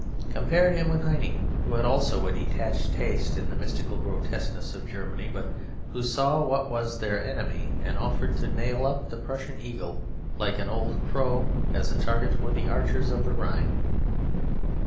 Compare him with Heine, who had also a detached taste in the mystical grotesques of Germany, but who saw what was their enemy: and offered to nail up the Prussian eagle like an old crow as a target for the archers of the Rhine.